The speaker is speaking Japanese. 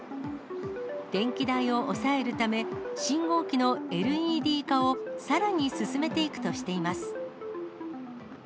電気代を抑えるため、信号機のＬＥＤ化をさらに進めていくとしています。